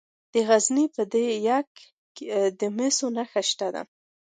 د غزني په ده یک کې د مسو نښې شته.